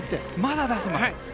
まだ出せますよ。